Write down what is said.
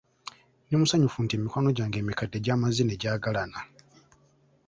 Ndi musanyufu nti mikwano gyange emikadde gyamaze ne gyagalana.